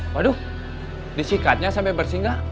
waduh disikatnya sampe bersinggah